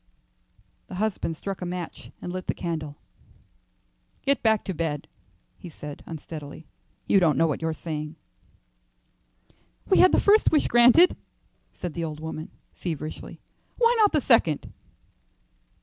Her husband struck a match and lit the candle. "Get back to bed," he said, unsteadily. "You don't know what you are saying." "We had the first wish granted," said the old woman, feverishly; "why not the second?"